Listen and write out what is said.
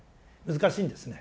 難しいんですね。